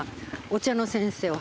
お花の先生。